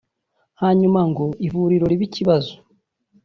hanyuma ngo ivuriro ribe ikibazo